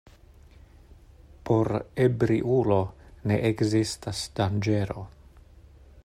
Por ebriulo ne ekzistas danĝero.